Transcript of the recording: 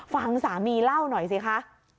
ฟังสามีเล่าหน่อยสิคะ